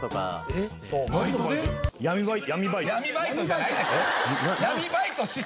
闇バイトじゃないです！